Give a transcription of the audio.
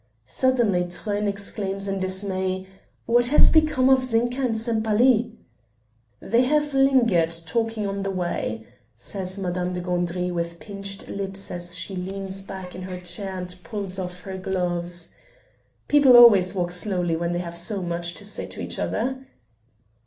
Suddenly Truyn exclaims in dismay: "What has become of Zinka and Sempaly?" "They have lingered talking on the way," says Madame de Gandry with pinched lips as she leans back in her chair and pulls off her gloves. "People always walk slowly when they have so much to say to each other."